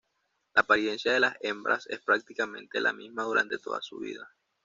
La apariencia de las hembras es prácticamente la misma durante toda su vida.